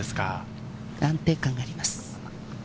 安定感があります。